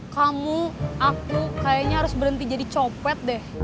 kamu aku kayaknya harus berhenti jadi copet deh